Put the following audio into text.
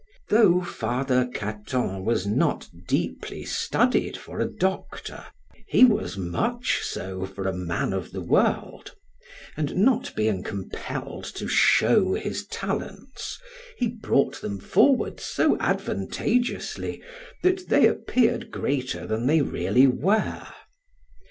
Though Father Cato was not deeply studied for a doctor, he was much so for a man of the world, and not being compelled to show his talents, he brought them forward so advantageously that they appeared greater than they really were.